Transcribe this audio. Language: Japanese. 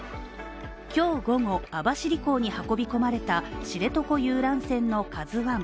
今日午後、網走港に運び込まれた知床遊覧船の「ＫＡＺＵ１」。